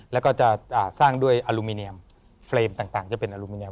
แล้วก็จะสร้างด้วยอลูมิเนียมเฟรมต่างจะเป็นอลูมิเนียม